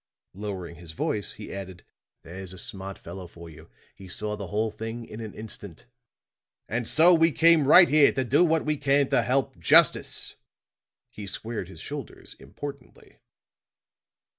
Lowering his voice, he added: "There's a smart fellow for you; he saw the whole thing in an instant. And so we came right here to do what we can to help justice." He squared his shoulders importantly.